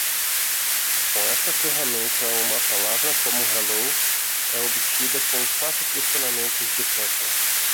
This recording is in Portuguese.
Com essa ferramenta, uma palavra como hello é obtida com quatro pressionamentos de tecla.